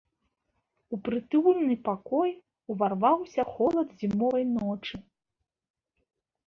У прытульны пакой уварваўся холад зімовай ночы.